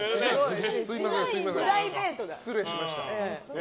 失礼しました。